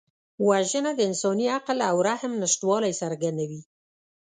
وژنه د انساني عقل او رحم نشتوالی څرګندوي